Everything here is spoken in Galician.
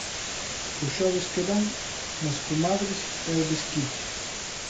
O xoves que vén, nas Comadres, é o desquite.